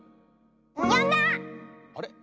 あれ？